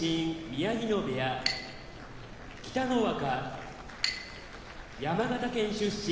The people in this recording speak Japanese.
宮城野部屋北の若山形県出身